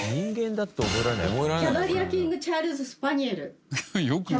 キャバリアチャールズスパニエル。